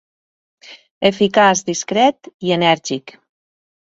Eficaç, discret i enèrgic.